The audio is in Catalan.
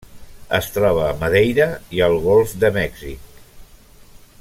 Es troba a Madeira i el Golf de Mèxic.